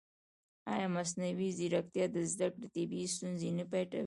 ایا مصنوعي ځیرکتیا د زده کړې طبیعي ستونزې نه پټوي؟